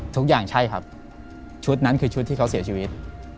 ทุกอย่างใช่ครับชุดนั้นคือชุดที่เขาเสียชีวิต